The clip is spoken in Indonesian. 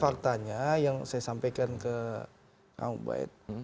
faktanya yang saya sampaikan ke kang ubaid